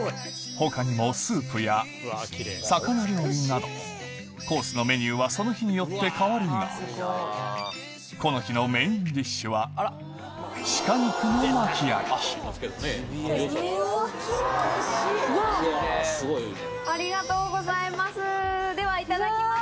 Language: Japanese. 他にもスープや魚料理などコースのメニューはその日によって変わるがこの日の鹿肉の薪焼きありがとうございますではいただきます。